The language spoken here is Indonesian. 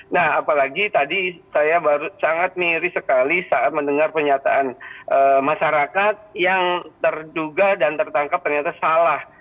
nah apalagi tadi saya sangat mirip sekali saat mendengar pernyataan masyarakat yang terduga dan tertangkap ternyata salah